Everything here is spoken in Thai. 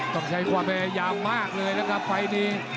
ต้องใช้ความพยายามมากเลยนะครับไฟล์นี้